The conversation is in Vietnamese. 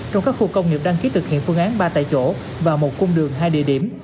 trong các khu công nghiệp đăng ký thực hiện phương án ba tại chỗ và một cung đường hai địa điểm